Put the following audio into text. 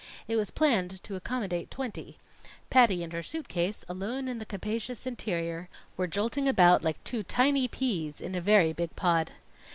It was planned to accommodate twenty. Patty and her suit case, alone in the capacious interior, were jolting about like two tiny peas in a very big pod.